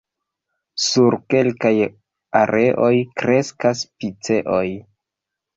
Sur kelkaj areoj kreskas piceoj.